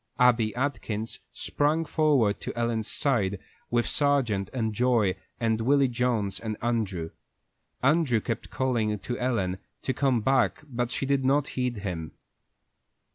Abby Atkins sprang forward to Ellen's side, with Sargent and Joy and Willy Jones and Andrew. Andrew kept calling to Ellen to come back, but she did not heed him.